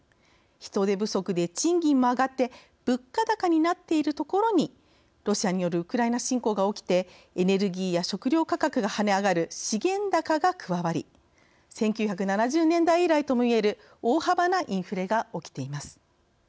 人手不足で賃金も上がって物価高になっているところにロシアによるウクライナ侵攻が起きてエネルギーや食料価格が跳ね上がる資源高が加わり１９７０年代以来ともいえる大幅なインフレが起きています。